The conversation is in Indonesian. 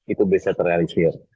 itu bisa terrealisir